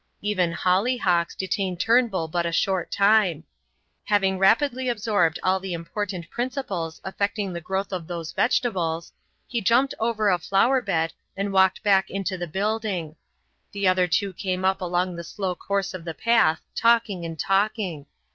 Even hollyhocks detained Turnbull but a short time. Having rapidly absorbed all the important principles affecting the growth of those vegetables, he jumped over a flower bed and walked back into the building. The other two came up along the slow course of the path talking and talking.